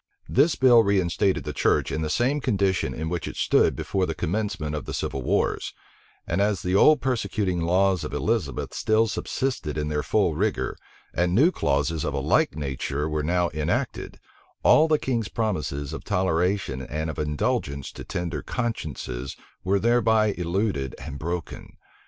This bill reinstated the church in the same condition in which it stood before the commencement of the civil wars; and as the old persecuting laws of Elizabeth still subsisted in their full rigor, and new clauses of a like nature were now enacted, all the king's promises of toleration and of indulgence to tender consciences were thereby eluded and broken.